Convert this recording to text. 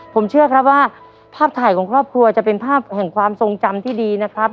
ผมเชื่อครับว่าภาพถ่ายของครอบครัวจะเป็นภาพแห่งความทรงจำที่ดีนะครับ